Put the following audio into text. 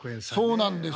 そうなんですよ。